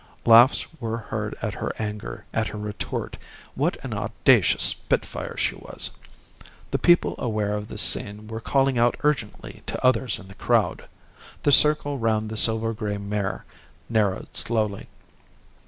Laughs were heard at her anger, at her retort. What an audacious spitfire she was! The people aware of this scene were calling out urgently to others in the crowd. The circle round the silver grey mare narrowed slowly.